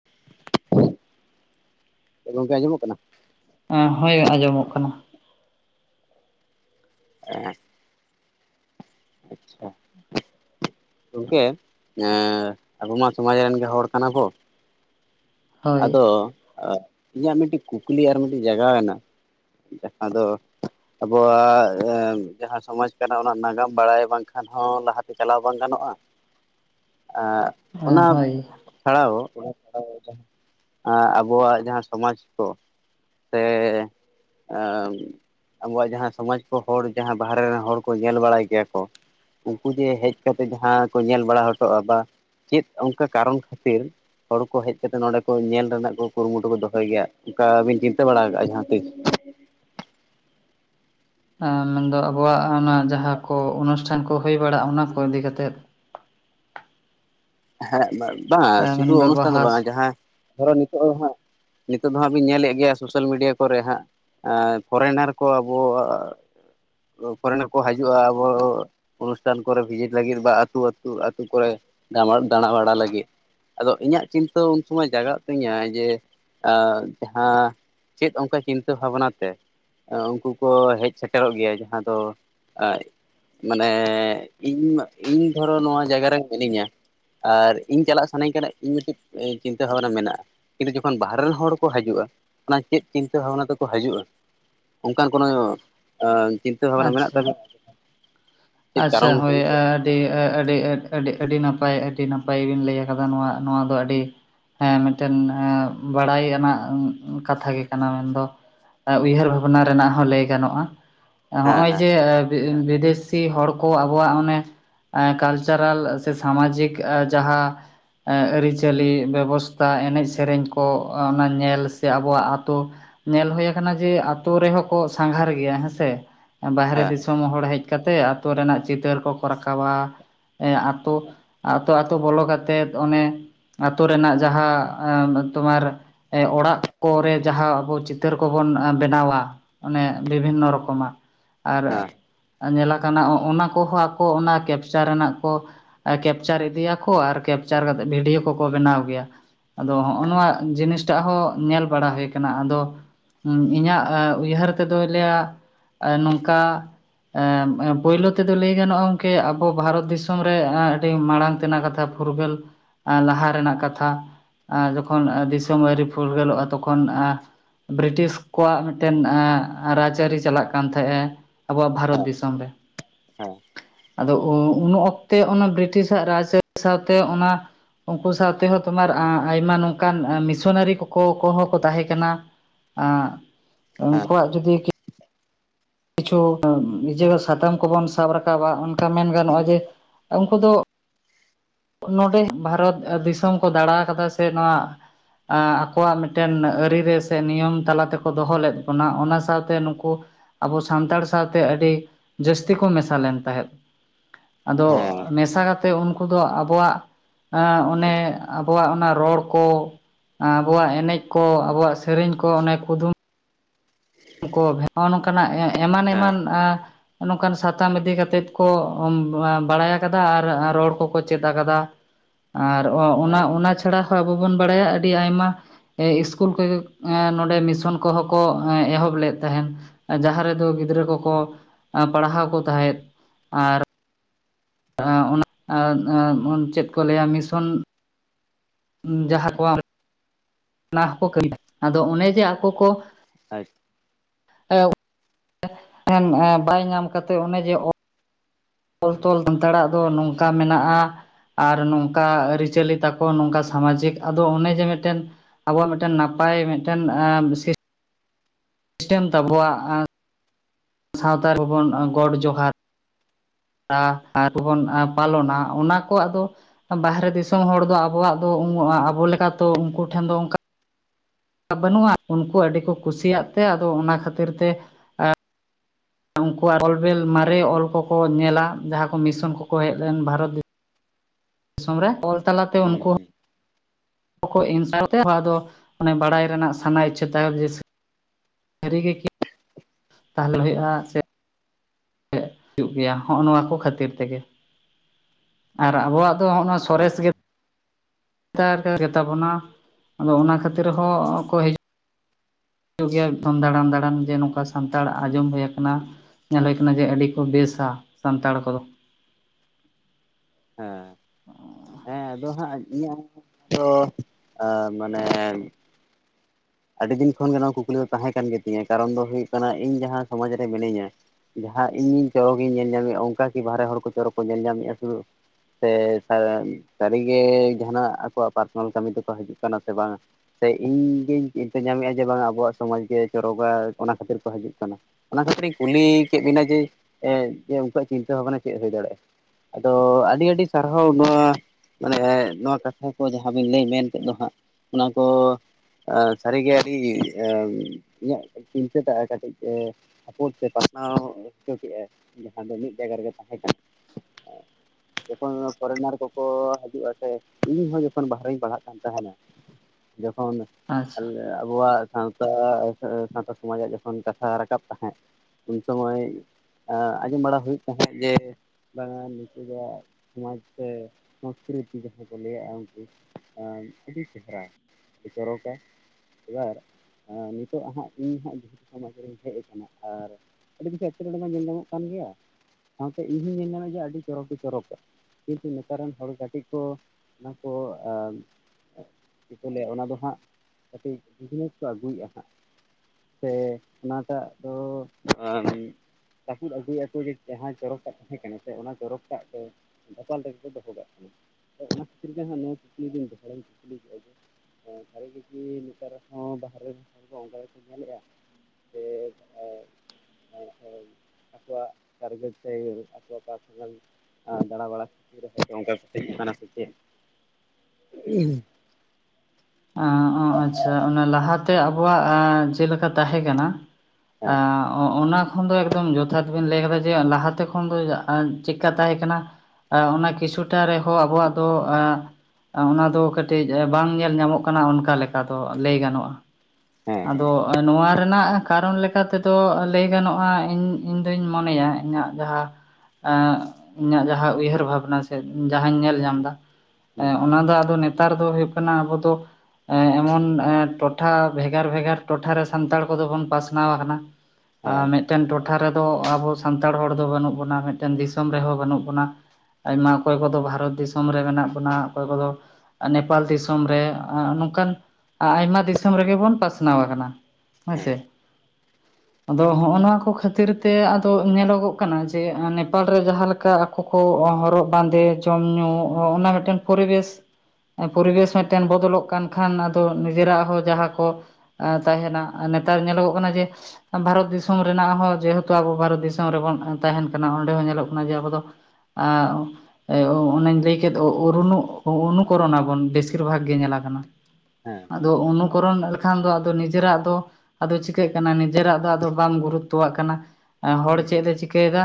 [inaudible] ᱜᱚᱢᱠᱮ ᱟᱸᱡᱚᱢ ᱠᱟᱱᱟ᱾ ᱦᱚᱭ ᱟᱸᱡᱚᱢᱚᱜ ᱠᱟᱱᱟ᱾ ᱮᱸ ᱟᱪᱪᱷᱟ ᱜᱚᱢᱠᱮ ᱮᱸ ᱟᱵᱚ ᱢᱟ ᱥᱚᱢᱟᱡᱽ ᱨᱮᱱ ᱜᱮ ᱦᱚᱲ ᱠᱟᱱᱟᱵᱚ᱾ ᱦᱳᱭ ᱟᱫᱚ ᱤᱧᱟᱹᱜ ᱢᱤᱫᱴᱤᱡ ᱠᱩᱠᱞᱤ ᱟᱨ ᱢᱤᱫᱴᱤᱡ ᱡᱟᱜᱟᱣ ᱮᱱᱟ᱾ ᱠᱟᱛᱷᱟ ᱫᱚ ᱟᱵᱚᱣᱟᱜ ᱡᱟᱦᱟᱸ ᱥᱚᱢᱟᱡᱽ ᱠᱟᱱᱟ, ᱚᱱᱟ ᱱᱟᱜᱟᱢ ᱵᱟᱲᱟᱭ ᱵᱟᱝᱠᱷᱟᱱ ᱦᱚᱸ ᱞᱟᱦᱟᱛᱮ ᱪᱟᱞᱟᱣ ᱵᱟᱝ ᱜᱟᱱᱚᱜᱼᱟ᱾ ᱮᱸ ᱚᱱᱟ ᱦᱳᱭ ᱪᱷᱟᱲᱟᱣᱚ [unintelligible] ᱟᱵᱚᱣᱟᱜ ᱡᱟᱦᱟᱸ ᱥᱚᱢᱟᱡᱽ ᱠᱚ ᱥᱮ ᱟᱵᱚᱣᱟᱜ ᱡᱟᱦᱟᱸ ᱥᱚᱢᱟᱡᱽ ᱠᱚ ᱦᱚᱲ ᱡᱟᱦᱟᱸ ᱵᱟᱦᱨᱮ ᱨᱮᱱ ᱦᱚᱲ ᱠᱚ ᱧᱮᱞ ᱵᱟᱲᱟᱭ ᱜᱮᱭᱟ ᱠᱚ᱾ ᱩᱱᱠᱩ ᱡᱮ ᱦᱮᱡ ᱠᱟᱛᱮᱜ ᱡᱟᱦᱟᱸ ᱠᱚ ᱧᱮᱞ ᱵᱟᱲᱟ ᱦᱚᱴᱚᱼᱟ ᱵᱟᱼᱼ ᱪᱮᱫ ᱚᱱᱠᱟ ᱠᱟᱨᱚᱱ ᱠᱷᱟᱹᱛᱤᱨ ᱦᱚᱲ ᱠᱚ ᱦᱮᱡ ᱠᱟᱛᱮ ᱱᱚᱰᱮᱼᱼ ᱧᱮᱞ ᱨᱮᱱᱟᱜ ᱠᱚ ᱠᱩᱨᱩᱢᱩᱴᱩ ᱠᱚ ᱫᱚᱦᱚᱭ ᱜᱮᱭᱟ ᱚᱱᱠᱟ ᱵᱤᱱ ᱪᱤᱱᱛᱟᱹ ᱵᱟᱲᱟ ᱟᱠᱟᱟᱜᱼᱟ ᱡᱟᱦᱟᱸ ᱛᱤᱥ ᱢᱮᱱᱫᱚ ᱟᱵᱚᱣᱟᱜ ᱚᱱᱟ ᱡᱟᱦᱟᱸ ᱠᱚ ᱚᱱᱩᱥ ᱴᱷᱟᱱ ᱠᱚ ᱦᱩᱭ ᱵᱟᱲᱟᱜᱼᱟ ᱚᱱᱟ ᱠᱚ ᱤᱫᱤ ᱠᱟᱛᱮᱫ? ᱦᱮᱸ ᱵᱟᱝ ᱥᱩᱫᱷᱩ ᱢᱮᱱᱫᱚ ᱚᱱᱩᱥᱴᱷᱟᱱ ᱫᱚ ᱵᱟᱦᱟ ᱵᱟᱝ ᱟ ᱡᱟᱦᱟᱸ ᱫᱷᱚᱨᱚ ᱱᱤᱛᱚᱜ ᱫᱚ ᱦᱟᱜᱼᱼ ᱱᱤᱛᱚᱜ ᱫᱚ ᱦᱟᱸᱜ ᱵᱤᱱ ᱧᱮᱞᱮᱫ ᱜᱮᱭᱟ ᱥᱳᱥᱟᱞ ᱢᱤᱰᱤᱭᱟ ᱠᱚᱨᱮ ᱦᱟᱸᱜ ᱯᱷᱚᱨᱮᱱᱟᱨ ᱠᱚ ᱟᱵᱚ ᱠᱚᱨᱮᱱ ᱦᱚᱸᱠᱚ ᱦᱤᱡᱩᱜᱼᱟ ᱟᱵᱚ ᱚᱱᱩᱥ ᱴᱷᱟᱱ ᱠᱚᱨᱮ ᱵᱷᱤᱡᱤᱴ ᱞᱟᱹᱜᱤᱫ ᱵᱟ ᱟᱹᱛᱩ ᱟᱹᱛᱩ ᱟᱹᱛᱩ ᱠᱚᱨᱮ᱾ [unintelligible] ᱫᱟᱲᱟ ᱵᱟᱲᱟ ᱞᱟᱹᱜᱤᱫ ᱟᱫᱚ ᱤᱧᱟᱹᱜ ᱪᱤᱱᱛᱟᱹ ᱩᱱ ᱥᱚᱢᱚᱭ ᱡᱟᱜᱟᱜ ᱛᱤᱧᱟᱹ ᱡᱮ ᱡᱟᱦᱟᱸᱼᱼ ᱪᱮᱫ ᱚᱱᱠᱟ ᱪᱤᱱᱛᱟᱹ ᱵᱷᱟᱵᱱᱟ ᱛᱮ ᱩᱱᱠᱩ ᱠᱚ ᱦᱮᱡ ᱥᱮᱴᱮᱨᱚᱜ ᱜᱮᱭᱟ᱾ ᱫᱚ ᱢᱟᱱᱮ ᱤᱧ ᱤᱧ ᱫᱷᱚᱨᱚ ᱱᱚᱣᱟ ᱡᱟᱭᱜᱟ ᱨᱮ ᱢᱤᱱᱟᱹᱧᱟ᱾ ᱟᱨ ᱤᱧ ᱪᱟᱞᱟᱜ ᱥᱟᱱᱟᱧ ᱠᱟᱱᱟ ᱤᱧ ᱢᱤᱫᱴᱤᱡ ᱪᱤᱱᱛᱟᱹ ᱵᱷᱟᱵᱱᱟ ᱢᱮᱱᱟᱜᱼᱟ᱾ ᱠᱤᱱᱛᱩ ᱡᱚᱠᱷᱚᱱ ᱵᱟᱦᱨᱮ ᱨᱮᱱ ᱦᱚᱲ ᱠᱚ ᱦᱤᱡᱩᱜᱼᱟ, ᱚᱱᱟ ᱪᱮᱫ ᱪᱤᱱᱛᱟᱹ ᱵᱷᱟᱵᱱᱟ ᱛᱮᱠᱚ ᱦᱤᱡᱩᱜᱼᱟ᱾ ᱚᱱᱠᱟᱱ ᱠᱳᱱᱳ ᱪᱤᱱᱛᱟᱹ ᱵᱷᱟᱵᱽᱱᱟ ᱢᱮᱱᱟᱜ ᱛᱟᱵᱤᱱᱟ᱾ ᱟᱪᱪᱷᱟ ᱪᱮᱫ ᱟᱪᱪᱷᱟ ᱠᱟᱨᱚᱱ ᱦᱳᱭ ᱦᱩᱭᱩᱜᱼᱟ ᱟᱨᱼᱼ ᱟᱹᱰᱤ ᱟᱹᱰᱤ ᱟᱹᱰᱤ ᱟᱹᱰᱤ ᱱᱟᱯᱟᱭ ᱟᱹᱰᱤ ᱱᱟᱯᱟᱭᱵᱤᱱ ᱞᱟᱹᱭ ᱟᱠᱟᱫᱟ ᱱᱚᱣᱟ ᱱᱚᱣᱟ ᱫᱚ ᱟᱹᱰᱤᱼᱼ ᱦᱮᱸ ᱢᱤᱫᱴᱮᱱ ᱵᱟᱲᱟᱭ ᱟᱱᱟᱜ ᱠᱟᱛᱷᱟ ᱜᱮ ᱠᱟᱱᱟ ᱢᱮᱱᱫᱚ ᱩᱭᱦᱟᱹᱨ ᱵᱷᱟᱵᱱᱟ ᱨᱮᱱᱟᱜ ᱦᱚᱸ ᱞᱟᱹᱭ ᱜᱟᱱᱚᱜᱼᱟ ᱦᱮᱸ ᱱᱚᱜᱼᱚᱭ ᱦᱮᱸ ᱡᱮ ᱵᱤᱫᱮᱥ ᱥᱤ ᱦᱚᱲ ᱠᱚ ᱟᱵᱚᱣᱟᱜ ᱚᱱᱮ ᱠᱟᱞᱪᱟᱨᱟᱞ ᱥᱮ ᱥᱟᱢᱟᱡᱤᱠ ᱡᱟᱦᱟᱸᱼᱼ ᱟᱹᱨᱤᱪᱟᱹᱞᱤ ᱵᱮᱵᱚᱥᱛᱷᱟ ᱮᱱᱮᱡ ᱥᱮᱨᱮᱧ ᱠᱚ ᱚᱱᱟ ᱧᱮᱞ ᱥᱮ ᱟᱵᱚᱣᱟᱜ ᱟᱹᱛᱩᱼᱼ ᱧᱮᱞ ᱦᱩᱭᱩᱭᱟᱠ ᱡᱮ ᱟᱹᱛᱩ ᱨᱮᱦᱚᱸ ᱠᱚ ᱥᱟᱸᱜᱷᱟᱨ ᱜᱮᱭᱟ ᱦᱮᱸᱥᱮᱼᱼ ᱵᱟᱦᱨᱮ ᱦᱮᱸ ᱫᱤᱥᱚᱢ ᱦᱚᱲ ᱦᱮᱡ ᱠᱟᱛᱮᱫ ᱟᱹᱛᱩ ᱨᱮᱱᱟᱜ ᱪᱤᱛᱟᱹᱨ ᱠᱚᱠᱚ ᱨᱟᱠᱟᱵᱟ᱾ ᱟᱹᱛᱩ ᱟᱹᱛᱩ ᱟᱛᱩ ᱵᱚᱞᱚ ᱠᱟᱛᱮᱜ ᱚᱱᱮᱼᱼ ᱟᱹᱛᱩ ᱨᱮᱱᱟᱜ ᱡᱟᱦᱟᱸ ᱛᱳᱢᱟᱨᱼᱼ ᱚᱲᱟᱜ ᱠᱚᱨᱮ ᱡᱟᱦᱟᱸ ᱟᱵᱚ ᱪᱤᱛᱟᱹᱨ ᱠᱚᱵᱚᱱ ᱵᱮᱱᱟᱣᱟ᱾ ᱚᱱᱮ ᱵᱤᱵᱷᱤᱱᱱᱚ ᱨᱚᱠᱚ ᱢᱟᱜ ᱟᱨᱼᱼ ᱦᱮᱸ ᱧᱮᱞᱟ ᱟᱠᱟᱱᱟ ᱚᱱᱟ ᱠᱚᱦᱚᱸ ᱟᱠᱚ ᱚᱱᱟ ᱠᱮᱯᱪᱟ ᱨᱮᱱᱟᱜ ᱠᱚ ᱠᱮᱯᱪᱟᱨ ᱤᱫᱤᱭᱟᱠᱚ ᱟᱨ ᱠᱮᱯᱪᱟᱨ ᱠᱟᱛᱮᱫ ᱵᱷᱤᱰᱭᱳ ᱠᱚᱠᱚ ᱵᱮᱱᱟᱣ ᱜᱮᱭᱟ᱾ ᱟᱫᱚ ᱦᱚᱸᱜᱼᱚ ᱱᱚᱣᱟ ᱡᱤᱱᱤᱥᱴᱟᱜ ᱦᱚᱸ ᱧᱮᱞ ᱵᱟᱲᱟ ᱦᱩᱭ ᱠᱟᱱᱟ ᱟᱫᱚ᱾ ᱤᱧᱟᱹᱜ ᱩᱭᱦᱟᱹᱨ ᱛᱮᱫᱚ ᱞᱟᱹᱭᱟ ᱱᱚᱝ ᱠᱟᱼᱼ ᱯᱳᱭᱞᱳ ᱛᱮᱫᱚ ᱞᱟᱹᱭ ᱜᱟᱱᱚᱜᱼᱟ, ᱜᱚᱢᱠᱮ ᱟᱵᱚ ᱵᱷᱟᱨᱚᱛ ᱫᱤᱥᱚᱢ ᱨᱮ ᱟᱹᱰᱤ ᱢᱟᱲᱟᱝ ᱛᱮᱱᱟᱜ ᱠᱟᱛᱷᱟ᱾ ᱯᱷᱩᱨᱜᱟᱹᱞ ᱞᱟᱦᱟ ᱨᱮᱱᱟᱜ ᱠᱟᱛᱷᱟ ᱟᱨ ᱡᱚᱠᱷᱚᱱ ᱫᱤᱥᱚᱢ ᱟᱹᱨᱤ ᱯᱷᱩᱨᱜᱟᱹᱞᱚᱜᱼᱟ ᱛᱚᱠᱷᱚᱱ ᱵᱨᱤᱴᱤᱥ ᱠᱚᱣᱟᱜ ᱢᱤᱫᱴᱮᱱ ᱨᱟᱡᱽ ᱟᱹᱨᱤ ᱪᱟᱞᱟᱜ ᱠᱟᱱ ᱛᱟᱦᱮᱸ ᱮ ᱟᱵᱚ ᱵᱷᱟᱨᱚᱛ ᱫᱤᱥᱚᱢ ᱨᱮ ᱦᱮᱸ ᱟᱫᱚ ᱩᱱ ᱚᱠᱛᱚᱼᱼ ᱛᱮ ᱚᱱᱟ ᱵᱨᱤᱴᱤᱥᱟᱜ ᱨᱟᱡᱽ ᱟᱹᱨᱤ ᱥᱟᱶᱛᱮ ᱚᱱᱟ ᱩᱱᱠᱩ ᱥᱟᱶᱛᱮᱦᱚᱸ ᱛᱳᱢᱟᱨ ᱟᱭᱢᱟ ᱱᱚᱝᱠᱟᱱ ᱢᱤᱥᱚᱱᱟᱨᱤ ᱠᱚ ᱠᱚᱦᱚᱸ ᱠᱚ ᱛᱟᱦᱮᱸ ᱠᱟᱱᱟ᱾ ᱟ ᱦᱮᱸ ᱩᱱᱠᱩᱣᱟᱜ ᱡᱩᱫᱤ ᱠᱤᱼᱼ ᱠᱤᱪᱷᱩ ᱱᱤᱡᱮᱨ ᱥᱟᱛᱟᱢ ᱠᱚᱵᱚᱱ ᱥᱟᱵ ᱨᱟᱠᱟᱵᱟ ᱚᱱᱠᱟ ᱢᱮᱱ ᱜᱟᱱᱚᱜ ᱟ ᱡᱮᱼᱼ ᱩᱱᱠᱩ ᱫᱚᱼᱼ ᱱᱚᱰᱮ ᱵᱷᱟᱨᱚᱛ ᱫᱤᱥᱚᱢ ᱠᱚ ᱫᱟᱬᱟ ᱠᱟᱫᱟ ᱥᱮ ᱱᱚᱣᱟ᱾ ᱟᱠᱚᱣᱟᱜ ᱢᱤᱫᱴᱮᱱ ᱟᱹᱨᱤ ᱨᱮ ᱥᱮ ᱱᱤᱭᱚᱢ ᱛᱟᱞᱟ ᱛᱮᱠᱚ ᱫᱚᱦᱚ ᱞᱮᱫ ᱵᱚᱱᱟ ᱚᱱᱟ ᱥᱟᱶᱛᱮ ᱱᱩᱠᱩᱼᱼ ᱟᱵᱚ ᱥᱟᱱᱛᱟᱲ ᱥᱟᱶᱛᱮ ᱟᱹᱰᱤ ᱡᱟᱹᱥᱛᱤ ᱠᱚ ᱢᱮᱥᱟ ᱞᱮᱱ ᱛᱟᱦᱮᱸ ᱟᱫᱚ, ᱦᱮᱸ ᱦᱮᱸ ᱦᱮᱸ ᱢᱮᱥᱟ ᱠᱟᱛᱮ ᱛᱮ ᱩᱱᱠᱩ ᱫᱚ, ᱟᱵᱚᱣᱟᱜ, ᱚᱱᱮ ᱟᱵᱚᱣᱟᱜ, ᱚᱱᱟ ᱨᱚᱲ ᱠᱚ, ᱟᱵᱚᱣᱟᱜ ᱮᱱᱮᱡ ᱠᱚ, ᱟᱵᱚᱣᱟᱜ ᱥᱮᱨᱮᱧ ᱠᱚ, ᱚᱱᱮ ᱠᱩᱫᱩᱢ ᱠᱚ, ᱱᱚᱜᱼ ᱱᱚᱝᱠᱟᱱᱟᱜ, ᱮᱢᱟᱱ ᱮᱢᱟᱱ ᱱᱚᱝᱠᱟᱱ ᱥᱟᱛᱟᱢ, ᱤᱫᱤ ᱠᱟᱛᱮᱫ ᱠᱚ, ᱵᱟᱲᱟᱭ ᱟᱠᱟᱫᱟ, ᱟᱨ ᱨᱚᱲ ᱠᱚᱠᱚ, ᱪᱮᱫ ᱟᱠᱟᱫᱟ ᱾ ᱟᱨ ᱦᱮᱸ ᱚᱱᱟ, ᱚᱱᱟ ᱪᱷᱟᱲᱟ ᱦᱚᱸ, ᱟᱵᱚ ᱵᱚᱱ ᱵᱟᱲᱟᱭᱟ, ᱟᱹᱰᱤ ᱟᱭᱢᱟ ᱤᱥᱠᱩᱞ ᱠᱚᱡᱚ, ᱟᱸᱻ ᱱᱚᱸᱰᱮ ᱢᱤᱥᱚᱱ ᱠᱚᱦᱚᱸ ᱠᱚ, ᱮᱦᱚᱵ ᱞᱮᱫ ᱛᱟᱦᱮᱸᱱ, ᱡᱟᱦᱟᱸ ᱨᱮᱫᱚ, ᱜᱤᱫᱽᱨᱟᱹ ᱠᱚᱠᱚ, ᱯᱟᱲᱦᱟᱣ ᱠᱚ ᱛᱟᱦᱮᱸᱫ, ᱟᱨ ᱟᱸᱻᱚᱱᱟ, ᱟᱸᱼᱟᱸ ᱪᱮᱫ ᱠᱚ, ᱞᱟᱹᱭᱟ ᱢᱤᱥᱚᱱ ᱡᱟᱦᱟᱸ ᱠᱚᱣᱟᱜ ᱚᱱᱟ ᱠᱚ, ᱠᱟᱹᱞᱤ [unintelligible] ᱟᱫᱚ, ᱚᱱᱮ ᱡᱮ ᱟᱠᱚ ᱠᱚ ᱟᱡ ᱮᱻᱭᱚᱵ, ᱟᱦ ᱟᱝ ᱵᱟᱭ ᱧᱟᱢ ᱠᱟᱛᱮ, ᱚᱱᱮ ᱡᱮ, ᱚᱻ ᱚᱞ ᱛᱚᱞ ᱥᱟᱱᱛᱟᱲᱟᱜ ᱫᱚ, ᱱᱚᱝᱠᱟ ᱢᱮᱱᱟᱜᱼᱟ ᱾ ᱟᱨ ᱱᱚᱝᱠᱟ, ᱟᱹᱨᱤ ᱪᱟᱹᱞᱤ ᱛᱟᱠᱚ, ᱱᱚᱝᱠᱟ ᱥᱟᱢᱟᱡᱤᱠ, ᱟᱫᱚ ᱚᱱᱮ ᱡᱮ, ᱢᱤᱫᱴᱮᱱ ᱟᱵᱚᱣᱟᱜ, ᱢᱤᱫᱴᱮᱱ ᱱᱟᱯᱟᱭ, ᱢᱤᱫᱴᱮᱱ ᱵᱤᱥᱤᱥᱴ ᱴᱷᱤᱴᱮᱢ ᱛᱟᱵᱚᱣᱟᱜ, ᱟᱸ ᱥᱟᱶᱛᱟ ᱵᱟ ᱵᱚᱱ, ᱜᱚᱰ ᱡᱚᱦᱟᱨ ᱟᱻᱟᱨ ᱵᱟ ᱵᱚᱱ, ᱯᱟᱞᱚᱱᱟ ᱾ ᱚᱱᱟ ᱠᱚ ᱟᱫᱚ ᱵᱟᱦᱨᱮ ᱫᱤᱥᱚᱢ ᱦᱚᱲ ᱫᱚ, ᱟᱵᱚᱣᱟᱜ ᱫᱚ, ᱩᱸᱼᱟ ᱟᱵᱚ ᱞᱮᱠᱟ ᱛᱚ, ᱩᱱᱠᱩ ᱴᱷᱮᱱ ᱫᱚ ᱚᱱᱠᱟ ᱵᱟᱹᱱᱩᱜᱼᱟ ᱾ ᱩᱱᱠᱩ ᱟᱹᱰᱤ ᱠᱚ, ᱠᱩᱥᱤᱭᱟᱜ ᱛᱮ, ᱟᱫᱚ, ᱚᱱᱟ ᱠᱷᱟᱹᱛᱤᱨ ᱛᱮ ᱩᱱᱠᱩᱣᱟᱜ ᱚᱞᱵᱮᱞ, ᱢᱟᱨᱮ ᱚᱞ ᱠᱚᱠᱚ, ᱧᱮᱞᱟ ᱾ ᱡᱟᱦᱟᱸ ᱠᱚ, ᱢᱤᱥᱚᱱ ᱠᱚᱠᱚ, ᱦᱮᱡ ᱞᱮᱱ ᱵᱷᱟᱨᱚᱛ ᱫᱤᱥᱚ ᱫᱤᱥᱚᱢ ᱨᱮ, ᱚᱞ ᱛᱟᱞᱟᱛᱮ, ᱦᱮᱸ ᱩᱱᱠᱩ ᱦᱮᱸ ᱠᱚ ᱠᱚ, ᱤᱱᱥᱟᱴ ᱮᱫ ᱠᱚᱣᱟ ᱾ ᱟᱫᱚ, ᱵᱟᱲᱟᱭ ᱨᱮᱱᱟᱜ ᱥᱟᱱᱟ ᱤᱪᱪᱷᱟᱹ, [unintelligible] ᱥᱟᱹᱨᱤ ᱜᱮ ᱠᱤ ᱾ ᱛᱟᱦᱚᱞᱮ, ᱦᱩᱭᱩᱜᱼᱟ ᱥᱮ ᱾ ᱦᱩᱭᱩᱜ ᱜᱮᱭᱟ ᱾ ᱦᱚᱸᱜᱼᱚ ᱱᱚᱣᱟ ᱠᱚ ᱠᱷᱟᱹᱛᱤᱨ ᱛᱮᱜᱮ, ᱟᱨ ᱟᱵᱚᱣᱟᱜ ᱫᱚ, ᱦᱚᱸᱟᱜ ᱥᱚᱨᱮᱥ ᱦᱮᱸ ᱜᱮ ᱜᱮᱛᱟ ᱜᱮ ᱛᱟᱵᱚᱱᱟ, ᱟᱫᱚ ᱚᱱᱟ ᱠᱷᱟᱹᱛᱤᱨ ᱦᱚᱸ ᱠᱚ, ᱦᱤᱡᱩᱜ ᱦᱤᱡᱩᱜ ᱜᱮᱭᱟ ᱵᱚᱱ ᱫᱟᱬᱟᱱ ᱫᱟᱬᱟᱱ, ᱡᱮ, ᱱᱚᱝᱠᱟ ᱥᱟᱱᱛᱟᱲ ᱟᱸᱡᱚᱢ ᱦᱩᱭ ᱟᱠᱟᱱᱟ ᱾ ᱧᱮᱞ ᱦᱩᱭ ᱟᱠᱟᱱᱟ ᱾ ᱡᱮ, ᱟᱹᱰᱤ ᱠᱚ ᱵᱮᱥᱟ ᱥᱟᱱᱛᱟᱲ ᱠᱚᱫᱚ, ᱦᱮᱸᱻ ᱾ ᱦᱮᱸ ᱟᱫᱚ ᱦᱟᱸᱜ, ᱤᱭᱟᱸ, ᱫᱚ, ᱟᱻ ᱢᱟᱱᱮ ᱟᱹᱰᱤ ᱫᱤᱱ ᱠᱷᱚᱱ ᱜᱮ, ᱱᱚᱣᱟ ᱠᱩᱠᱞᱤ ᱫᱚ, ᱛᱟᱦᱮᱸ ᱠᱟᱱ ᱜᱮ, ᱛᱤᱧᱟ ᱾ ᱠᱟᱨᱚᱱ ᱫᱚ, ᱦᱩᱭᱩᱜ ᱠᱟᱱᱟ ᱾ ᱤᱧ ᱡᱟᱦᱟᱸ ᱥᱚᱢᱟᱡᱽ ᱨᱮ, ᱢᱤᱱᱟᱹᱧᱟ ᱡᱟᱦᱟᱸ ᱤᱧ ᱪᱚᱨᱚᱠᱤᱧ ᱧᱮᱞ ᱧᱟᱢᱮᱫᱼᱟ ᱾ ᱚᱱᱠᱟ ᱜᱮ ᱵᱟᱦᱨᱮ ᱦᱚᱲ ᱠᱚ, ᱪᱚᱨᱚᱠ ᱠᱚ ᱧᱮᱞ ᱧᱟᱢᱮᱫᱼᱟ, ᱥᱩᱫᱷᱩ ᱾ ᱥᱮ ᱥᱟᱻ ᱥᱟᱹᱨᱤ ᱜᱮ, ᱡᱟᱦᱟᱱᱟᱜ ᱟᱠᱚᱣᱟᱜ ᱯᱟᱨᱥᱚᱱᱟᱞ ᱠᱟᱹᱢᱤ ᱛᱮᱠᱚ, ᱦᱤᱡᱩᱜ ᱠᱟᱱᱟ, ᱥᱮ ᱵᱟᱝᱟ? ᱥᱮ, ᱤᱧ ᱜᱤᱧ ᱪᱤᱱᱛᱟᱹ ᱧᱟᱢᱮᱫᱼᱟ ᱡᱮ, ᱵᱟᱝ ᱟᱵᱚᱣᱟᱜ ᱥᱚᱢᱟᱡᱽ ᱜᱮ, ᱪᱚᱨᱚᱜᱟ ᱚᱱᱟ ᱠᱷᱟᱹᱛᱤᱨ ᱠᱚ, ᱦᱤᱡᱩᱜ ᱠᱟᱱᱟ ᱾ ᱚᱱᱟ ᱠᱷᱟᱹᱛᱤᱨᱤᱧ ᱠᱩᱞᱤ ᱠᱮᱫ ᱵᱤᱱᱟ ᱡᱮ, ᱩᱱᱠᱩᱣᱟᱜ ᱪᱤᱱᱛᱟᱹ ᱵᱷᱟᱵᱱᱟ ᱪᱮᱫ ᱦᱩᱭ ᱫᱟᱲᱮᱭᱟᱜᱼᱟ? ᱟᱫᱚ, ᱟᱹᱰᱤ ᱟᱹᱰᱤ, ᱥᱟᱨᱦᱟᱣ ᱱᱚᱣᱟ ᱢᱟᱱᱮ, ᱱᱚᱣᱟ ᱠᱟᱛᱷᱟ ᱠᱚ, ᱡᱟᱦᱟᱸ ᱵᱤᱱ ᱞᱟᱹᱭ ᱢᱮᱱ ᱫᱚ ᱦᱟᱸᱜ, ᱚᱱᱟ ᱠᱚ ᱥᱟᱹᱨᱤ ᱜᱮ, ᱟᱹᱰᱤ ᱮᱸᱻ ᱤᱧᱟᱹᱜ ᱪᱤᱱᱛᱟᱹ ᱴᱟᱜᱼᱟ ᱠᱟᱹᱴᱤᱡᱼᱮ ᱥᱟᱯᱚᱫ ᱥᱮ ᱯᱟᱥᱱᱟᱣ ᱚᱪᱚ ᱠᱮᱜᱼᱟᱭ, ᱡᱟᱦᱟᱸ ᱫᱚ, ᱢᱤᱫ ᱡᱟᱭᱜᱟ ᱨᱮᱜᱮ, ᱛᱟᱦᱮᱸ ᱠᱟᱱᱟ ᱾ ᱡᱚᱠᱷᱚᱱ ᱯᱷᱚᱨᱮᱱᱟᱨ ᱠᱚᱠᱚ, ᱦᱤᱡᱩᱜᱼᱟ ᱥᱮ ᱤᱧᱦᱚ, ᱡᱚᱠᱷᱚᱱ ᱵᱟᱨᱮᱧ ᱯᱟᱲᱦᱟᱜ ᱠᱟᱱ ᱛᱟᱦᱮᱱᱟ, ᱡᱚᱠᱷᱚᱱ ᱟᱸᱻ ᱿ ᱟᱵᱚᱣᱟᱜ, ᱥᱟᱶᱛᱟ, ᱥᱟᱶᱛᱟ ᱥᱚᱢᱟᱡᱽᱟᱜ, ᱡᱚᱠᱷᱚᱱ ᱠᱟᱛᱷᱟ ᱨᱟᱠᱟᱵ ᱛᱟᱦᱮᱸᱫ ᱩᱱ ᱥᱚᱢᱚᱭ ᱟᱸᱡᱚᱢ ᱵᱟᱲᱟ ᱦᱩᱭᱩᱜ ᱛᱟᱦᱮᱸᱫ ᱡᱮ, ᱵᱟᱝᱟ ᱱᱪᱮᱟᱜ ᱥᱚᱢᱟᱡᱽ ᱥᱮ ᱥᱚᱝᱥᱠᱨᱤᱛᱤ ᱡᱟᱦᱟᱸᱭ ᱠᱚ ᱞᱟᱹᱭᱟᱜᱼᱟ ᱩᱱᱠᱩ ᱟᱹᱰᱤ ᱪᱮᱦᱨᱟ ᱟᱹᱰᱤ ᱪᱚᱨᱠᱟ ᱮᱵᱟᱨ ᱱᱤᱛᱚᱜ ᱦᱟᱸᱜ ᱤᱧ ᱦᱟᱸᱜ [unintelligible] ᱦᱮᱡ ᱟᱠᱟᱱᱟ ᱟᱨᱼᱼ ᱟᱹᱰᱤ ᱵᱠᱷᱟᱱ ᱮᱴᱚᱰᱮ ᱢᱟ ᱧᱮᱞ ᱧᱟᱢᱚᱜ ᱠᱟᱱ ᱜᱮᱭᱟ ᱥᱟᱶᱛᱮ ᱤᱧ ᱦᱚᱸᱧ ᱧᱮᱞ ᱧᱟᱢᱚᱜ ᱡᱭᱟ ᱟᱹᱰᱤ ᱪᱚᱨᱚᱠᱮ ᱪᱚᱨᱯᱟ ᱠᱤᱱᱛᱩ ᱱᱮᱛᱟᱨ ᱨᱮᱱ ᱦᱚᱲ ᱠᱟᱹᱴᱤᱡ ᱠᱚ ᱚᱱᱟ ᱠᱚ ᱮᱸ ᱪᱮᱫ ᱠᱚ ᱞᱟᱹᱭᱟ ᱚᱱᱟ ᱫᱚ ᱦᱟᱸᱜ ᱠᱟᱹᱴᱤᱡ ᱵᱤᱡᱽᱱᱮᱥ ᱠᱚ ᱟᱹᱜᱩᱭᱮᱫᱼᱟ ᱦᱟᱸᱜ ᱥᱮ ᱚᱱᱟᱴᱟᱜ ᱫᱚᱼᱼ ᱨᱟᱹᱯᱩᱫ ᱟᱹᱜᱩᱭᱟᱠᱚ ᱡᱮ ᱡᱟᱦᱟᱸ ᱪᱚᱨᱚᱠᱴᱟᱜ ᱛᱟᱦᱮᱸ ᱠᱟᱱᱟ ᱥᱮ ᱚᱱᱟ ᱪᱚᱨᱚᱠ ᱴᱟᱜ ᱫᱚᱼᱼ ᱫᱷᱟᱯᱟᱞ ᱨᱮᱜᱮ ᱠᱚ ᱫᱚᱦᱚ ᱠᱟᱜ ᱠᱟᱱᱟ᱾ ᱚᱱᱟ ᱠᱷᱟᱹᱛᱤᱨ ᱜᱮ ᱦᱟᱸᱜ ᱱᱚᱣᱟ ᱠᱩᱠᱞᱤ ᱞᱤᱧ ᱫᱚᱦᱚ [unintelligible] ᱠᱤ ᱱᱮᱛᱟᱨ ᱨᱮᱦᱚᱸ ᱵᱟᱦᱨᱮ ᱨᱮᱱ ᱦᱚᱲ ᱠᱚ ᱚᱱᱠᱟ ᱜᱮᱠᱚ ᱧᱮᱞᱮᱫᱼᱟ [unintelligible] ᱟᱠᱚᱣᱟᱜ ᱟᱠᱚᱣᱟᱜ ᱯᱚᱱᱟ ᱟᱨ ᱫᱟᱬᱟ ᱵᱟᱲᱟᱦᱚᱸ ᱚᱱᱠᱟ ᱠᱟᱱᱟ ᱥᱮ ᱪᱮᱫ? ᱟᱪᱷᱟ ᱚᱱᱟ ᱞᱟᱦᱟᱛᱮ ᱟᱵᱚᱣᱟᱜ ᱡᱮᱞᱮᱠᱟ ᱛᱟᱦᱮᱸ ᱠᱟᱱᱟ᱾ ᱦᱮᱸ ᱚᱱᱟ ᱠᱚᱷᱱ ᱫᱚ ᱮ ᱡᱚᱛᱷᱟᱛ ᱵᱤᱱ ᱞᱟᱹᱭ ᱠᱟᱫᱟ ᱡᱮ ᱞᱟᱦᱟᱛᱮ ᱠᱷᱚᱱ ᱫᱚ ᱪᱮᱫᱠᱟ ᱛᱟᱦᱮᱸ ᱠᱟᱱᱟ᱾ ᱚᱱᱟ ᱠᱤᱪᱷᱩᱴᱟ ᱨᱮᱦᱚᱸ ᱟᱵᱚᱣᱟᱜ ᱫᱚ ᱚᱱᱟ ᱫᱚ ᱠᱟᱹᱴᱤᱡ ᱵᱟᱝ ᱧᱮᱞ ᱧᱟᱢᱚᱜ ᱠᱟᱱᱟᱼᱼ ᱠᱟᱱᱟ ᱚᱱᱠᱟ ᱞᱮᱠᱟ ᱫᱚ ᱞᱟᱹᱭ ᱜᱟᱱᱚᱜᱼᱟ ᱦᱮᱸ ᱟᱫᱚᱼᱼ ᱦᱮᱸ ᱱᱚᱣᱟ ᱨᱮᱱᱟᱜ ᱠᱟᱨᱚᱱ ᱞᱮᱠᱟ ᱛᱮᱫᱚ ᱞᱟᱹᱭ ᱜᱟᱱᱚᱜᱼᱟ ᱤᱧ ᱤᱧ ᱫᱩᱧ ᱢᱚᱱᱮᱭᱟ ᱤᱧᱟᱹᱜ ᱡᱟᱦᱟᱸ ᱤᱧᱟᱹᱜ ᱡᱟᱦᱟᱸ ᱩᱭᱦᱟᱹᱨ ᱵᱷᱟᱵᱽᱱᱟ ᱥᱮ ᱡᱟᱦᱟᱧ ᱧᱮᱞ ᱧᱟᱢ ᱮᱫᱟ ᱦᱩᱸ ᱚᱱᱟ ᱫᱚ ᱟ ᱱᱮᱛᱟᱨ ᱫᱚ ᱦᱩᱭᱩᱜ ᱠᱟᱱᱟ ᱟᱵᱚ ᱫᱚᱼᱼ ᱮᱢᱚᱱ ᱴᱚᱴᱷᱟ ᱵᱷᱮᱜᱟᱨ ᱵᱷᱮᱜᱟᱨ ᱴᱚᱴᱷᱟᱨᱮ ᱥᱟᱱᱛᱟᱲ ᱠᱚᱫᱚ ᱵᱚᱱ ᱯᱟᱥᱱᱟᱣ ᱟᱠᱟᱱᱟ᱾ ᱦᱮᱸ ᱢᱤᱫᱴᱮᱱ ᱴᱚᱴᱷᱟ ᱨᱮᱫᱚ ᱟᱵᱚ ᱥᱟᱱᱛᱟᱲ ᱦᱚᱲ ᱫᱚ ᱵᱟᱹᱱᱩᱜ ᱵᱚᱱᱟ ᱢᱤᱫᱴᱮᱱ ᱫᱤᱥᱚᱢ ᱨᱮᱦᱚᱸ ᱵᱟᱹᱱᱩᱜ ᱵᱚᱱᱟ, ᱟᱭᱢᱟ ᱚᱠᱚᱭ ᱠᱚᱫᱚ ᱵᱷᱟᱨᱚᱛ ᱫᱤᱥᱚᱢ ᱨᱮ ᱢᱮᱱᱟᱜ ᱵᱚᱱᱟ ᱚᱠᱚᱭ ᱠᱚᱫᱚ ᱱᱮᱯᱟᱞ ᱫᱤᱥᱚᱢ ᱨᱮᱼᱼ ᱱᱚᱝᱠᱟᱱ ᱟᱭᱢᱟ ᱫᱤᱥᱚᱢ ᱨᱮᱜᱮ ᱵᱚᱱ ᱯᱟᱥᱱᱟᱣ ᱟᱠᱟᱱᱟ ᱦᱮᱸ ᱦᱮᱸᱥᱮ [inaudible] ᱟᱫᱚ ᱦᱚᱜᱼᱚ ᱱᱚᱣᱟ ᱠᱚ ᱠᱷᱟᱹᱛᱤᱨ ᱛᱮ ᱟᱫᱚ ᱧᱮᱞᱚᱜᱚᱜ ᱠᱟᱱᱟ ᱡᱮ ᱱᱮᱯᱟᱞ ᱨᱮ ᱡᱟᱦᱟᱸᱮ ᱞᱮᱠᱟᱼᱼ ᱟᱠᱚ ᱠᱚ ᱦᱚᱨᱚᱜ ᱵᱟᱸᱫᱮ ᱡᱚᱢ ᱧᱩᱩ ᱚᱱᱟ ᱢᱤᱫᱴᱮᱱ ᱯᱚᱨᱤᱵᱮᱥᱼᱼ ᱯᱚᱨᱤᱵᱮᱥ ᱢᱤᱫᱴᱮᱱ ᱵᱚᱫᱚᱞᱚᱜ ᱠᱟᱱ ᱠᱷᱟᱱ ᱟᱫᱚ ᱱᱤᱡᱮᱨᱟᱜ ᱦᱚᱸ ᱡᱟᱦᱟᱸ ᱠᱚ ᱛᱟᱦᱮᱱᱟ ᱱᱮᱛᱟᱨ ᱧᱮᱞᱚᱜᱚᱜ ᱠᱟᱱᱟ ᱡᱮᱼᱼ ᱵᱷᱟᱨᱚᱛ ᱫᱤᱥᱚᱢ ᱨᱮᱱᱟᱜ ᱦᱚᱸ ᱡᱮᱦᱮᱛᱩ ᱟᱵᱚ ᱵᱷᱟᱨᱚᱛ ᱫᱤᱥᱚᱢ ᱨᱮᱵᱚᱱ ᱛᱟᱦᱮᱱ ᱠᱟᱱᱟ ᱚᱸᱰᱮ ᱦᱚᱸ ᱧᱮᱞᱚᱜ ᱠᱟᱱᱟ ᱡᱮ ᱟᱵᱚ ᱫᱚᱼᱼ ᱟᱨᱼᱼ ᱚᱱᱟᱧ ᱞᱟᱹᱭ ᱠᱮᱫ ᱚᱱᱩᱠᱚᱨᱚᱱᱟ ᱵᱚᱱ ᱵᱮᱥᱤᱨ ᱵᱷᱟᱜᱽ ᱜᱮ ᱧᱮᱞᱟ ᱟᱠᱟᱱᱟ᱾ ᱦᱮᱸ ᱦᱮᱸ ᱟᱫᱚ ᱚᱱᱩᱠᱚᱨᱚᱱ ᱞᱮᱠᱷᱟᱱ ᱫᱚ ᱟ ᱱᱤᱡᱮᱨᱟᱜ ᱫᱚᱼᱼ ᱟᱫᱚ ᱪᱤᱠᱟᱹᱜ ᱠᱟᱱᱟ ᱱᱤᱡᱮᱨᱟᱜ ᱫᱚ ᱟᱫᱚ ᱵᱟᱢ ᱜᱩᱨᱩᱛᱚ ᱣᱟᱜ ᱠᱟᱱᱟ ᱦᱚᱲ ᱪᱮᱫ ᱮᱠᱫᱚᱢ ᱫᱚ ᱪᱤᱠᱟᱹᱭᱮᱫᱟ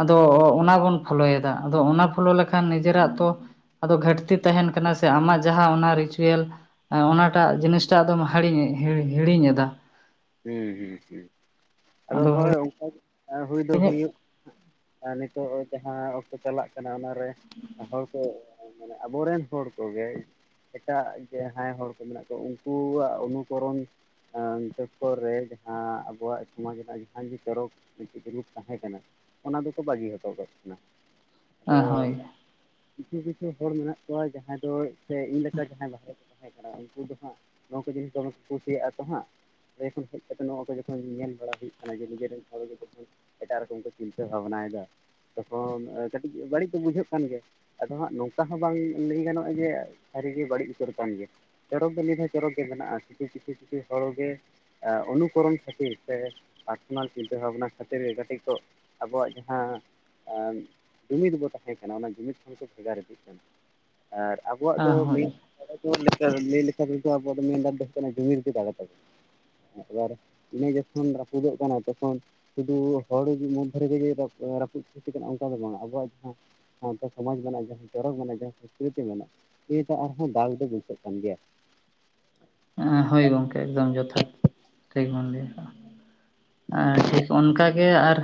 ᱟᱫᱚ ᱚᱱᱟ ᱵᱚᱱ ᱯᱷᱳᱞᱳᱭᱮᱫᱟ ᱟᱫᱚ ᱚᱱᱟ ᱯᱷᱳᱞᱳ ᱞᱮᱠᱷᱟᱱ ᱱᱤᱡᱮᱨᱟᱜ ᱛᱚᱼᱼ ᱟᱫᱚ ᱜᱷᱟᱹᱴᱛᱤ ᱛᱟᱦᱮᱱ ᱠᱟᱱᱟ ᱥᱮ ᱟᱢᱟᱜ ᱡᱟᱦᱟᱸ ᱚᱱᱟ ᱨᱤᱪᱩᱭᱮᱞ, ᱚᱱᱟᱴᱟᱜ ᱡᱤᱱᱤᱥ ᱴᱟᱜ ᱟᱫᱚᱢ ᱦᱤᱲᱤᱧ ᱦᱤᱲᱤᱧᱮᱫᱟ ᱦᱮᱸ ᱦᱮ ᱦᱸ ᱟᱫᱚ ᱦᱳᱭ ᱚᱱᱠᱟ ᱦᱩᱭ ᱫᱚ ᱦᱩᱭᱩᱜ ᱟᱨ ᱱᱤᱛᱚᱜ ᱡᱟᱦᱟᱸ ᱚᱠᱛᱚ ᱪᱟᱞᱟᱜ ᱠᱟᱱᱟ ᱚᱱᱟᱨᱮ ᱦᱚᱲ ᱠᱚᱼᱼ ᱢᱟᱱᱮ ᱟᱵᱚᱨᱮᱱ ᱦᱚᱲ ᱠᱚᱜᱮ ᱮᱴᱟᱜ ᱡᱮ ᱦᱟᱸᱭ ᱦᱚᱲ ᱠᱚ ᱢᱮᱱᱟᱜ ᱠᱚ ᱩᱱᱠᱩᱣᱟᱜ ᱚᱱᱩᱠᱚᱨᱚᱱ ᱦᱚᱸ, ᱚᱠᱛᱚ ᱨᱮ ᱡᱟᱦᱟᱸ ᱟᱵᱚᱣᱟᱜ ᱥᱚᱢᱟᱡᱽ ᱨᱮᱱᱟᱜ ᱡᱟᱦᱟᱸ ᱜᱮ ᱪᱚᱨᱚᱠ [unintelligible] ᱡᱩᱞᱩᱯ ᱛᱟᱦᱮᱸ ᱠᱟᱱᱟ, ᱚᱱᱟ ᱫᱚᱠᱚ ᱵᱟᱹᱜᱤ ᱦᱚᱴᱚ ᱠᱟᱜ ᱠᱟᱱᱟ᱾ ᱟᱫᱚ ᱠᱤᱪᱷᱩ ᱠᱤᱪᱷᱩ ᱦᱚᱲ ᱢᱮᱱᱟᱜ ᱠᱚᱣᱟ ᱡᱟᱦᱟᱸᱭ ᱫᱚ ᱥᱮ ᱤᱧ ᱞᱮᱠᱟ ᱡᱟᱦᱟᱸᱭ ᱵᱟᱦᱨᱮ, ᱛᱟᱦᱮᱸ ᱠᱟᱱᱟ ᱩᱱᱠᱩ ᱫᱚ ᱦᱟᱸᱜ ᱱᱚᱣᱟ ᱠᱚ ᱡᱤᱱᱤᱥ ᱫᱚᱢᱮ ᱠᱚ ᱠᱩᱥᱤᱭᱟᱜᱼᱟ ᱛᱚ ᱦᱟᱸᱜ᱾ ᱚᱸᱰᱮ ᱠᱷᱚᱱ ᱦᱮᱜ ᱠᱟᱛᱮ ᱱᱚᱣᱟ ᱠᱚ ᱡᱚᱠᱷᱚᱱ ᱧᱮᱞ ᱵᱟᱲᱟ ᱦᱩᱭᱩᱜ ᱠᱟᱱᱟ ᱡᱮ ᱱᱤᱡᱮ ᱨᱮᱱ ᱦᱚᱲ ᱜᱮ ᱡᱚᱠᱷᱚᱱ, ᱮᱴᱟᱜ ᱨᱚᱠᱚᱢ ᱠᱚ ᱪᱤᱱᱛᱟᱹ ᱵᱷᱟᱵᱱᱟᱭᱫᱟ ᱛᱚᱠᱷᱚᱱ ᱠᱟᱹᱴᱤᱜ ᱵᱟᱹᱲᱤᱜ ᱫᱚ ᱵᱩᱡᱷᱟᱹᱜ ᱠᱟᱱ ᱜᱮᱭᱟ᱾ ᱟᱫᱚ ᱦᱟᱸᱜ ᱱᱚᱝᱠᱟ ᱦᱚᱸ ᱵᱟᱝ ᱞᱟᱹᱭ ᱜᱟᱱᱚᱜᱼᱟ ᱡᱮ ᱥᱟᱹᱨᱤᱜᱮ ᱵᱟᱹᱲᱤᱜ ᱩᱛᱟᱹᱨ ᱠᱟᱱ ᱜᱮᱭᱟ, ᱪᱚᱨᱚᱠ ᱫᱚ ᱱᱤᱛᱦᱚᱸ ᱪᱚᱨᱚᱠ ᱜᱮ ᱢᱮᱱᱟᱜᱼᱟ ᱠᱤᱪᱷᱩ ᱠᱤᱪᱷᱩ ᱠᱤᱪᱷᱩ ᱦᱚᱲ ᱜᱮ ᱮ ᱚᱱᱩᱠᱚᱨᱚᱱ ᱠᱷᱟᱹᱛᱤᱨ ᱥᱮ ᱯᱟᱨᱥᱚᱱᱟᱞ ᱪᱤᱱᱛᱟᱹ ᱵᱷᱟᱵᱱᱟ ᱠᱷᱟᱹᱛᱤᱨ ᱜᱮ ᱠᱟᱹᱴᱤᱜ ᱠᱚ, ᱟᱵᱚᱣᱟᱜ ᱡᱟᱦᱟᱸ ᱟᱸ ᱡᱩᱢᱤᱫ ᱵᱚ ᱛᱟᱦᱮᱸ ᱠᱟᱱᱟ ᱚᱱᱟ ᱡᱩᱢᱤᱫ ᱠᱷᱚᱱ ᱠᱚ ᱵᱷᱮᱜᱟᱨ ᱤᱫᱤ, ᱟᱨ ᱟᱵᱚᱣᱟᱜ ᱫᱚ ᱦᱳᱭ ᱢᱤᱫ, [unintelligible] ᱢᱤᱜ ᱞᱮᱠᱷᱟᱹ ᱛᱮᱫᱚ ᱟᱵᱚᱣᱟᱜ ᱫᱚ [unintelligible] ᱡᱩᱢᱤᱫ ᱜᱮ ᱫᱟᱲᱮ ᱛᱟᱵᱩᱝ᱾ [unintelligible] ᱤᱱᱟᱹ ᱡᱚᱠᱷᱚᱱ ᱨᱟᱹᱯᱩᱫᱚᱜ ᱠᱟᱱᱟ ᱛᱚᱠᱷᱚᱱ, ᱥᱩᱫᱩ ᱦᱚᱲ ᱢᱚᱫᱽᱫᱷᱮ ᱨᱮᱜᱮ ᱨᱟᱹᱯᱩᱫ ᱠᱟᱱᱟ ᱚᱱᱠᱟ ᱫᱚ ᱵᱟᱝ ᱟᱵᱚᱣᱟᱜ ᱡᱟᱦᱟᱸ, ᱥᱟᱶᱛᱟ ᱥᱚᱢᱟᱡᱽ ᱢᱮᱱᱟᱜ ᱡᱟᱦᱟᱸ ᱪᱚᱨᱚᱠ ᱢᱮᱱᱟᱜ ᱡᱟᱦᱟᱸ ᱥᱚᱝᱚᱥᱠᱨᱤᱛᱤ ᱢᱮᱱᱟᱜ [unintelligible] ᱟᱨᱦᱚᱸ ᱫᱟᱞ ᱵᱟᱹᱭᱥᱟᱹᱜ ᱠᱟᱱ ᱜᱮᱭᱟ᱾ ᱮᱸ ᱦᱳᱭ ᱜᱚᱝᱠᱮ ᱮᱠᱫᱚᱢ ᱡᱚᱛᱷᱟᱛ ᱴᱷᱤᱠ ᱵᱤᱱ ᱞᱟᱹᱭ ᱠᱟᱜᱼᱟ᱾ ᱮᱸ ᱴᱷᱤᱠ ᱚᱱᱠᱟᱜᱮ ᱟᱨ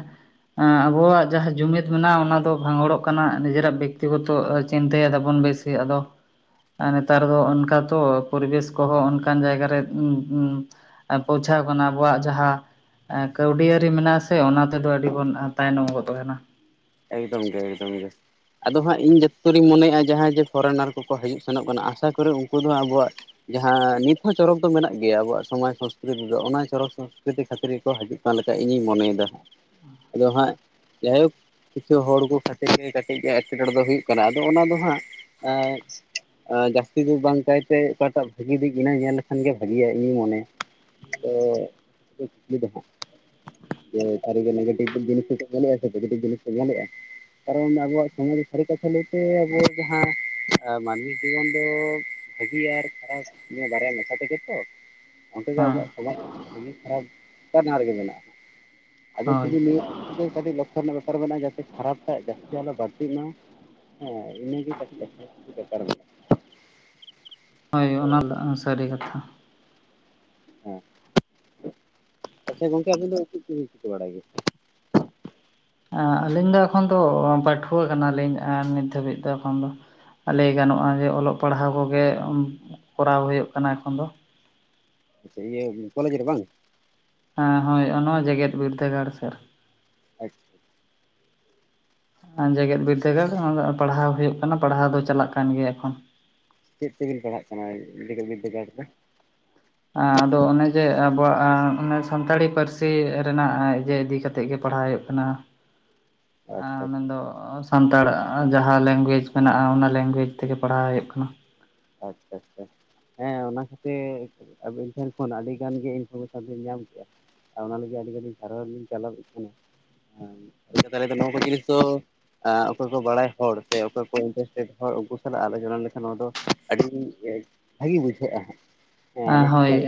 ᱮᱸ ᱟᱵᱚᱣᱟᱜ ᱡᱟᱦᱟᱸ ᱡᱩᱢᱤᱫ ᱢᱮᱱᱟᱜᱼᱟ ᱚᱱᱟ ᱫᱚ ᱵᱷᱟᱸᱜᱚᱲᱚᱜ ᱠᱟᱱᱟ ᱱᱤᱡᱮᱨᱟᱜ ᱵᱮᱠᱛᱤᱜᱚᱛᱚ ᱪᱤᱱᱛᱟᱹ ᱮᱫᱟᱵᱚᱱ ᱵᱮᱥ, ᱥᱤ ᱟᱫᱚ ᱱᱮᱛᱟᱨ ᱫᱚ ᱚᱱᱠᱟ ᱛᱚ ᱯᱚᱨᱤᱵᱮᱥ ᱠᱚᱦᱚᱸ ᱚᱱ ᱚᱱᱠᱟᱱ ᱡᱟᱭᱜᱟ ᱨᱮ ᱩᱸ ᱩᱸ ᱯᱳᱣᱪᱷᱟᱣ ᱠᱟᱱᱟ ᱟᱵᱚᱣᱟᱜ ᱡᱟᱦᱟᱸ, ᱮᱸ ᱠᱟᱹᱣᱰᱤᱟᱹᱨᱤ ᱢᱮᱱᱟᱜ ᱟ ᱥᱮ ᱚᱱᱟ ᱛᱮᱫᱚ ᱟᱹᱰᱤ ᱵᱚᱱ ᱛᱟᱭᱱᱚᱢ ᱜᱚᱫ ᱠᱟᱱᱟ᱾ ᱮᱠᱫᱚᱢ ᱜᱮ ᱮᱠᱫᱚᱢ ᱜᱮ, ᱟᱫᱚ ᱦᱟᱸᱜ ᱤᱧ ᱡᱚᱛᱚᱨᱤᱧ ᱢᱚᱱᱮᱭᱮᱜᱼᱟ ᱡᱟᱦᱟᱸᱭ ᱡᱮ ᱯᱷᱚᱨᱮᱱᱟᱨ ᱠᱚᱠᱚ ᱦᱤᱡᱩᱜ ᱥᱮᱱᱚᱜ ᱠᱟᱱᱟ ᱟᱥᱟ ᱠᱚᱨᱤ ᱩᱱᱠᱩ ᱫᱚ ᱟᱵᱚᱣᱟᱜ, ᱡᱟᱦᱟᱸ ᱱᱤᱛ ᱦᱚᱸ ᱪᱚᱨᱚᱠ ᱫᱚ ᱢᱮᱱᱟᱜ ᱜᱮᱭᱟ ᱟᱵᱚᱣᱟᱜ ᱥᱚᱢᱟᱡᱽ ᱥᱚᱸᱥᱠᱨᱤᱛᱤ ᱫᱚ ᱚᱱᱟ ᱪᱚᱨᱚᱠ ᱥᱚᱸᱥᱠᱨᱤᱛᱤ ᱠᱷᱟᱹᱛᱤᱨ ᱜᱮᱠᱚ ᱦᱟᱡᱩᱜ, ᱚᱱᱞᱟ ᱞᱮᱠᱟ ᱤᱧᱤᱧ ᱢᱚᱱᱮᱭᱮᱫᱟ ᱦᱟᱸᱜ ᱟᱫᱚ ᱦᱟᱸᱜ ᱡᱟᱭᱦᱚᱠ᱾ ᱠᱤᱪᱷᱩ ᱦᱚᱲ ᱠᱚ ᱠᱷᱟᱹᱛᱤᱨ ᱜᱮ ᱠᱟᱹᱴᱤᱜ ᱜᱮ ᱮᱴᱠᱮᱴᱚᱬᱮ ᱫᱚ ᱦᱩᱭᱩᱜ ᱠᱟᱱᱟ ᱟᱫᱚ ᱚᱱᱟ ᱫᱚ ᱦᱟᱸᱜ ᱮᱸ, ᱮᱸ ᱡᱟᱹᱥᱛᱤ ᱫᱤᱠ ᱵᱟᱝ ᱠᱟᱭᱛᱮ ᱚᱠᱟᱴᱟᱜ ᱵᱷᱟᱹᱜᱤ ᱫᱤᱠ ᱤᱱᱟᱹ ᱧᱮᱞ ᱞᱮᱠᱷᱟᱱ ᱜᱮ ᱵᱷᱟᱹᱜᱤᱭᱟ ᱤᱧᱤᱧ ᱢᱚᱱᱮᱭᱟ᱾ ᱮᱸ ᱠᱩᱠᱞᱤ ᱫᱚ ᱦᱟᱸᱜ᱾ ᱡᱮ ᱥᱟᱹᱨᱤᱜᱮ ᱱᱮᱜᱮᱴᱤᱵᱷ ᱡᱤᱱᱤᱥ ᱠᱚ ᱧᱮᱞᱮᱜᱼᱟ ᱥᱮ ᱯᱚᱡᱮᱴᱤᱵᱷ ᱡᱤᱱᱤᱥ ᱠᱚ ᱧᱮᱞᱮᱜᱼᱟ᱾ ᱠᱟᱨᱚᱱ ᱟᱵᱚᱣᱟᱜ ᱥᱚᱢᱟᱡᱽ ᱥᱟᱹᱨᱤ ᱠᱟᱛᱷᱟ ᱞᱟᱹᱭᱛᱮ ᱟᱵᱚᱣᱟᱜ ᱡᱟᱦᱟᱸ ᱢᱟᱱᱢᱤ ᱡᱤᱭᱚᱱ ᱫᱚ, ᱵᱷᱟᱹᱜᱤ ᱟᱨ ᱠᱷᱟᱨᱟᱯ ᱱᱤᱭᱟᱹ ᱵᱟᱨᱭᱟ ᱢᱮᱥᱟ ᱛᱮᱜᱮ ᱛᱚ, ᱚᱱᱛᱮ ᱜᱮ ᱦᱮᱸ ᱟᱵᱚᱣᱟᱜ ᱥᱚᱢᱟᱡᱽ ᱵᱷᱟᱹᱜᱤ ᱠᱷᱟᱨᱟᱯ [unintelligible] ᱨᱮᱜᱮ ᱢᱮᱱᱟᱜᱼᱟ᱾ ᱟᱫᱚ ᱦᱳᱭ ᱥᱩᱫᱩ ᱱᱤᱭᱟᱹ ᱠᱟᱹᱴᱤᱜ ᱞᱚᱠᱠᱷᱚ ᱨᱮᱱᱟᱜ ᱵᱮᱯᱟᱨ ᱢᱮᱱᱟᱜᱼᱟ ᱡᱟᱛᱮ ᱠᱷᱟᱨᱟᱯ ᱴᱟᱜ ᱡᱟᱹᱥᱛᱤ ᱟᱞᱚ ᱵᱟᱹᱲᱛᱤᱜ ᱢᱟ᱾ ᱦᱮᱸ ᱤᱱᱟᱹᱜᱮ ᱠᱟᱹᱴᱤᱜ [unintelligible] ᱵᱮᱠᱟᱨ ᱢᱮᱱᱟᱜᱼᱟ᱾ ᱦᱳᱭ ᱚᱱᱟ ᱫᱚ ᱮᱸ ᱥᱟᱹᱨᱤ ᱠᱟᱛᱷᱟ᱾ ᱦᱮᱸ ᱟᱪᱪᱷᱟ ᱜᱚᱝᱠᱮ ᱟᱵᱤᱱ ᱫᱚ ᱪᱤᱫ ᱠᱚ ᱵᱮᱱ ᱪᱮᱠᱟ ᱵᱟᱲᱟᱭ ᱜᱮᱭᱟ? ᱮᱸ ᱟᱹᱞᱤᱧ ᱫᱚ ᱮᱠᱷᱚᱱ ᱫᱚ ᱯᱟᱹᱴᱷᱩᱣᱟᱹ ᱠᱟᱱᱟᱞᱤᱧ ᱮᱸ ᱱᱤᱛ ᱫᱷᱟᱹᱵᱤᱜ ᱫᱚ ᱮᱠᱷᱚᱱ ᱫᱚ᱾ ᱞᱟᱹᱭ ᱜᱟᱱᱚᱜᱼᱟ ᱡᱮ ᱚᱞᱚᱜ ᱯᱟᱲᱦᱟᱣ ᱠᱚᱜᱮ ᱩᱸ ᱠᱚᱨᱟᱣ ᱦᱩᱭᱩᱜ ᱠᱟᱱᱟ ᱮᱠᱷᱚᱱ ᱫᱚ, ᱴᱷᱤᱜ ᱜᱮᱭᱟ ᱠᱚᱞᱮᱡᱽ ᱨᱮ ᱵᱟᱝ, ᱦᱮᱸ ᱦᱳᱭ ᱱᱚᱣᱟ ᱡᱮᱜᱮᱫ ᱵᱤᱨᱫᱟᱹᱜᱟᱲ ᱥᱮᱜ ᱨᱮ᱾ ᱟᱪᱪᱷᱟ ᱟᱪᱪᱷᱟ᱾ ᱮᱸ ᱡᱮᱜᱮᱫ ᱵᱤᱨᱫᱟᱹ ᱜᱟᱲ ᱨᱮ ᱚᱱᱟᱫᱚ ᱯᱟᱲᱦᱟᱣ ᱦᱩᱭᱩᱜ ᱠᱟᱱᱟ ᱯᱟᱲᱦᱟᱣ ᱫᱚ ᱪᱟᱞᱟᱜ ᱠᱟᱱ ᱜᱮᱭᱟ ᱮᱠᱷᱚᱱ᱾ ᱪᱤᱫ ᱛᱮᱵᱤᱱ ᱯᱟᱲᱦᱟᱜ ᱠᱟᱱᱟ ᱡᱮᱜᱮᱫ ᱵᱤᱫᱽᱫᱟᱹᱜᱟᱲ ᱨᱮ ᱫᱚ? ᱟᱸ ᱟᱫᱚ ᱚᱱᱮ ᱡᱮ ᱟᱵᱚᱣᱟᱜ ᱟᱸ ᱚᱱᱮ ᱥᱟᱱᱛᱟᱲᱤ ᱯᱟᱹᱨᱥᱤ ᱨᱮᱱᱟᱜ ᱡᱮ ᱤᱫᱤ ᱠᱟᱛᱮᱜ᱾ ᱛᱮᱜ ᱜᱮ ᱯᱟᱲᱦᱟᱣ ᱦᱳᱭᱳᱜ ᱠᱟᱱᱟ᱾ [inaudible] ᱟᱪᱪᱷᱟ [unintelligible] ᱥᱟᱱᱛᱟᱲ ᱡᱟᱦᱟᱸ ᱞᱮᱝᱜᱩᱭᱮᱡᱽ ᱢᱮᱱᱟᱜᱼᱟ ᱚᱱᱟ ᱞᱮᱝᱜᱩᱭᱡᱽ ᱛᱮᱜᱮ ᱯᱟᱲᱦᱟᱣ ᱦᱩᱭᱩᱜ ᱠᱟᱱᱟ᱾ ᱟᱪᱪᱷᱟ ᱟᱪᱪᱷᱟ ᱦᱮᱸ ᱚᱱᱟ ᱠᱷᱟᱹᱛᱤᱨ ᱟᱵᱤᱱ ᱴᱷᱮᱱ ᱠᱷᱚᱱ ᱟᱹᱰᱤ ᱜᱟᱱ ᱜᱮ ᱤᱱᱯᱷᱚᱨ ᱢᱮᱥᱚᱱ ᱵᱤᱱ ᱧᱟᱢ ᱠᱮᱜᱼᱟ᱾ ᱟᱨ ᱚᱱᱟ ᱞᱟᱹᱜᱤᱫ ᱟᱹᱰᱤ ᱟᱹᱰᱤ ᱥᱟᱨᱦᱟᱣ ᱞᱤᱧ ᱪᱟᱞ ᱟᱵᱮᱱ ᱠᱟᱱᱟ᱾ [unintelligible] ᱛᱟᱦᱞᱮ ᱫᱚ ᱱᱚᱣᱟ ᱠᱚ ᱡᱤᱱᱤᱥ ᱫᱚᱼᱼ ᱚᱠᱚᱭ ᱠᱚ ᱵᱟᱲᱟᱭ ᱦᱚᱲ ᱥᱮ ᱚᱠᱚᱭ ᱠᱚ ᱤᱱᱴᱟ ᱨᱮᱥᱴᱮᱰ ᱦᱚᱲ ᱩᱱᱠᱩ ᱥᱟᱞᱟᱜ ᱟᱞᱳ ᱪᱚᱱᱟ ᱞᱮᱠᱷᱟᱱ ᱱᱚᱣᱟ ᱫᱚᱼᱼ ᱟᱹᱰᱤ ᱵᱷᱟᱹᱜᱤ ᱵᱩᱡᱷᱟᱹᱜᱼᱟ ᱦᱟᱸᱜ ᱟ ᱦᱳᱭ